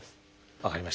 分かりました。